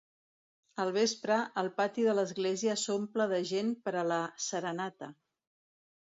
Al vespre, el pati de l'església s'omple de gent per a la "serenata".